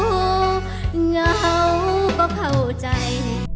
เหงาก็เข้าใจ